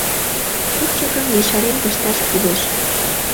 Кӱпчыкым ешарен пышташ кӱлеш.